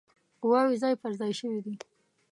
قواوي ځای پر ځای شوي دي.